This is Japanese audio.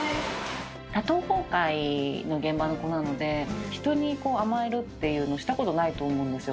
多頭崩壊の現場の子なので、人に甘えるっていうのをしたことないと思うんですよ。